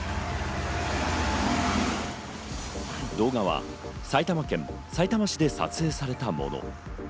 動画は埼玉県さいたま市で撮影されたもの。